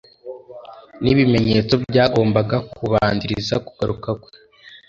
nibimenyetso byagombaga kubanziriza kugaruka kwe